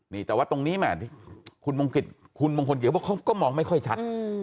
นี่แต่ว่าตรงนี้แม่คุณมงคลกิจคุณมงคลกิจก็มองไม่ค่อยชัด